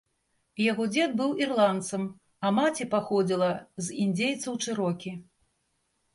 Яго дзед быў ірландцам, а маці паходзіла з індзейцаў чэрокі.